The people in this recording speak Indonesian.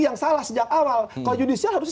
yang salah sejak awal kalau judisial harus